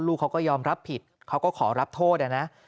ลูกเขาก็ยอมรับผิดเขาก็ขอรับโทษนะ